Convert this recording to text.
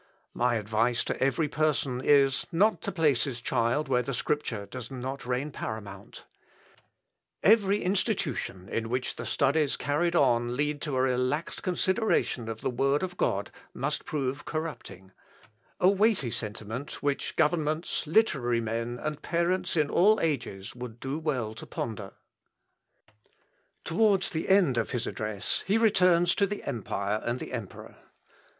My advice to every person is, not to place his child where the Scripture does not reign paramount. Every institution in which the studies carried on lead to a relaxed consideration of the Word of God must prove corrupting; a weighty sentiment, which governments, literary men, and parents in all ages would do well to ponder." Es muss verderben, alles was nicht Gottes Wort ohn Unterlass treibt. (L. Op. L. xvii, p. 486.) Towards the end of his address he returns to the empire and the emperor.